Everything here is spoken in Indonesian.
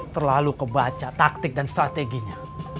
terlalu kebaca taktik dan strateginya